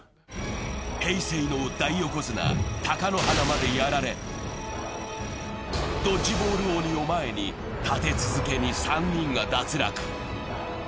平成の大横綱、貴乃花までやられ、ドッジボール鬼の前に立て続けに３人が脱落。